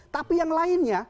tapi yang lainnya